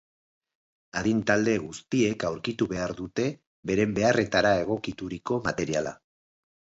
Adin-talde guztiek aurkitu behar dute beren beharretara egokituriko materiala.